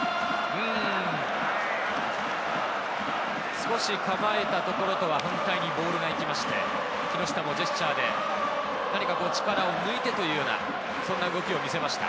少し構えたところとは反対にボールが行きまして、木下もジェスチャーで、何かこう力を抜いてというような動きを見せました。